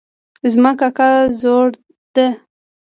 زما کاکا زوړ ده